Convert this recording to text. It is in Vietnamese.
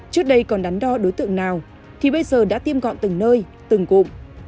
trước đây còn đắn đo đối tượng nào thì bây giờ đã tiêm gọn từng nơi từng cụm